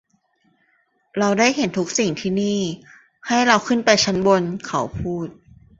เราได้เห็นทุกสิ่งที่นี่; ให้เราขึ้นไปชั้นบนเขาพูด